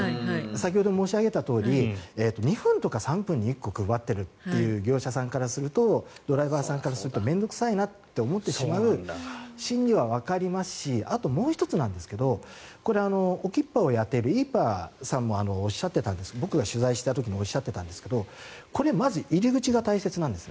先ほど申し上げたとおり２分とか３分に１個配ってるという業者さんからするとドライバーさんからすると面倒臭いと思ってしまう心理はわかりますしあともう１つなんですがこれ、ＯＫＩＰＰＡをやっている業者さんもおっしゃってたんですがこれ、まず入り口が大切なんです。